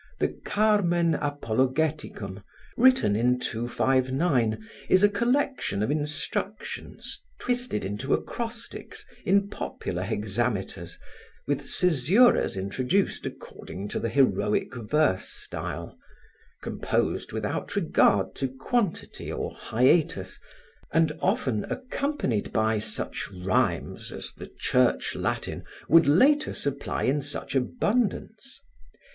The Carmen apologeticum, written in 259, is a collection of instructions, twisted into acrostics, in popular hexameters, with caesuras introduced according to the heroic verse style, composed without regard to quantity or hiatus and often accompanied by such rhymes as the Church Latin would later supply in such abundance.